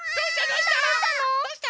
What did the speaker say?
どうした？